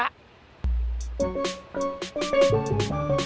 pekan raya jakarta